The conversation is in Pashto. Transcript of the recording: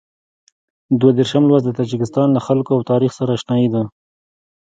دوه دېرشم لوست د تاجکستان له خلکو او تاریخ سره اشنايي ده.